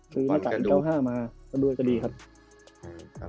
คือรักษาอีก๙๕มาก็ด้วยก็ดีครับ